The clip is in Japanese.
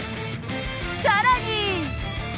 さらに。